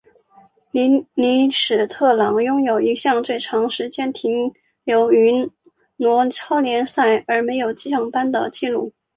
利尼史特朗拥有一项最长时间停留于挪超联赛而没有降班的纪录。